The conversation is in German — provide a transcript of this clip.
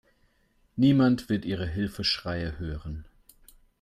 Niemand wird Ihre Hilfeschreie hören.